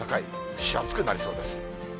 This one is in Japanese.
蒸し暑くなりそうです。